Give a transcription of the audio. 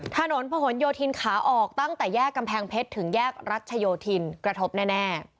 ถนนผนโยธินขาออกตั้งแต่แยกกำแพงเพชรถึงแยกรัชโยธินกระทบแน่